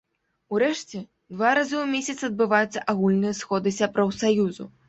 Урэшце, два разы ў месяц адбываюцца агульныя сходы сяброў саюзу.